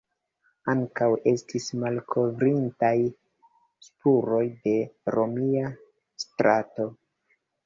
Ankaŭ estis malkovritaj spuroj de romia strato.